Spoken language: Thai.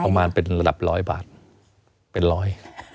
ประมาณเป็นระดับร้อยบาทเป็นร้อย